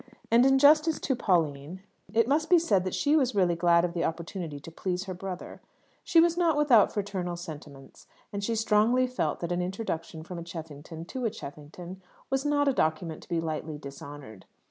And, in justice to Pauline, it must be said that she was really glad of the opportunity to please her brother. She was not without fraternal sentiments; and she strongly felt that an introduction from a Cheffington to a Cheffington was not a document to be lightly dishonoured.